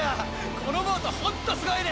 このボートホントすごいね！